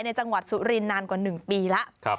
จังหวัดสุรินนานกว่า๑ปีแล้ว